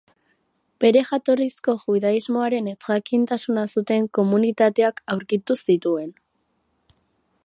Bere jatorrizko judaismoaren ezjakintasuna zuten komunitateak aurkitu zituen.